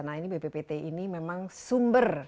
nah ini bppt ini memang sumber